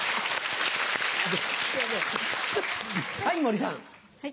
はい森さん。